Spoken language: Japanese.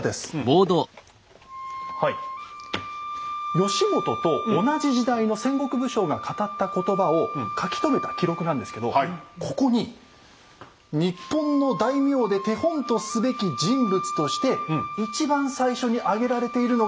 義元と同じ時代の戦国武将が語った言葉を書き留めた記録なんですけどここに「日本の大名で手本とすべき人物」として一番最初に挙げられているのが。